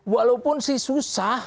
walaupun sih susah